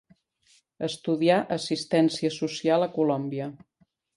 Estudià Assistència Social a Colòmbia.